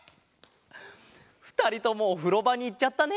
ふたりともおふろばにいっちゃったね。